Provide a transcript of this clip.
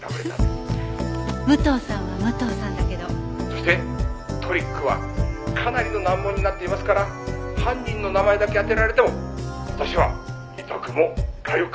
「そしてトリックはかなりの難問になっていますから犯人の名前だけ当てられても私は痛くもかゆくもありません」